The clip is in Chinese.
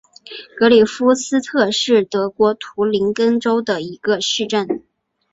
格里夫斯特是德国图林根州的一个市镇。